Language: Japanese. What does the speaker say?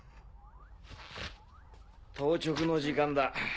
当直の時間だ。